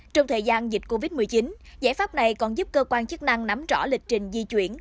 trong thời gian dịch covid một mươi chín giải pháp này còn giúp cơ quan chức năng nắm rõ lịch trình di chuyển